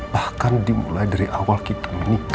bahkan dimulai dari awal kita menikah